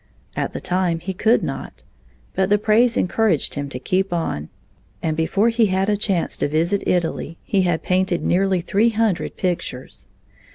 At the time he could not. But the praise encouraged him to keep on, and before he had a chance to visit Italy, he had painted nearly three hundred pictures.